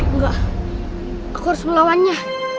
enggak aku harus melawannya